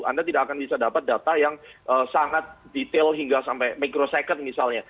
anda tidak akan bisa dapat data yang sangat detail hingga sampai microsecond misalnya